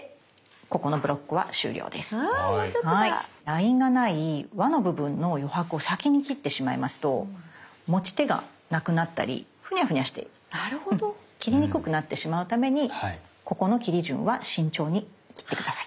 ラインがない輪の部分の余白を先に切ってしまいますと持ち手がなくなったりフニャフニャして切りにくくなってしまうためにここの切り順は慎重に切って下さい。